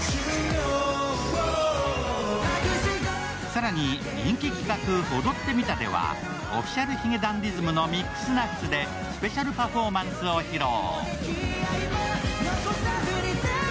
更に、人気企画「踊ってみた」ではＯｆｆｉｃｉａｌ髭男ｄｉｓｍの「ミックスナッツ」でスペシャルパフォーマンスを披露。